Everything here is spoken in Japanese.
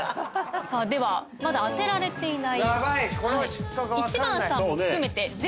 さあではまだ当てられていない。